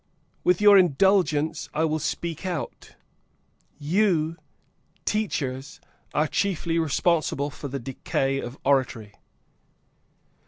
With your indulgence, I will speak out: you teachers are chiefly responsible for the decay of oratory.